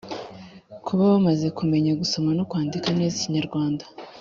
kuba bamaze kumenya gusoma no kwandika neza ikinyarwanda.